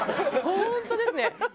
本当ですね。